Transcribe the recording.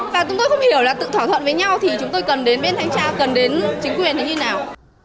và chúng tôi không hiểu là tự thỏa thuận với nhau thì chúng tôi cần đến bên thanh tra cần đến chính quyền thì như thế nào